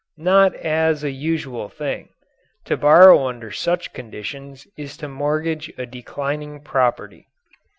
Not as a usual thing. To borrow under such conditions is to mortgage a declining property.